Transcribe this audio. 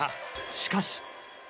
しかし。